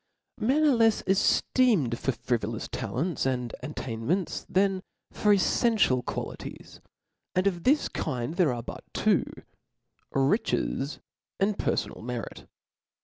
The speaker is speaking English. . Men are lefs efteemed for frivolous talents and at tainments, than for eflfential qualities ; and of this kind there are but two, riches, and perfonal merit.